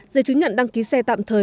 giới chứng nhận đăng ký xe tạm thời